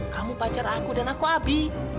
kamu pacar aku dan aku abi